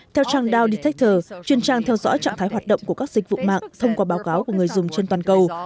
theo trang dow detector truyền trang theo dõi trạng thái hoạt động của các dịch vụ mạng thông qua báo cáo của người dùng trên toàn cầu